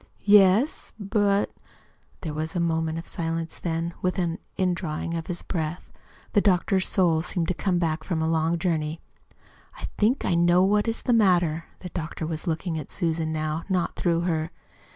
"Yes; but " There was a moment's silence; then, with an indrawing of his breath, the doctor's soul seemed to come back from a long journey. "I think I know what is the matter." The doctor was looking at Susan, now, not through her.